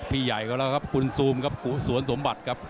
ใหญ่ก็แล้วครับคุณซูมครับกุสวนสมบัติครับ